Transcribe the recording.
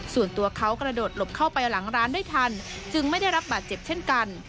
ส่วนตัวเขากระโดดหลบเข้าไปหลังร้านได้ทันจึงไม่ได้รับบาดเจ็บเช่นกัน